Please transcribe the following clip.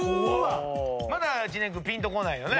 まだ知念君ぴんとこないよね。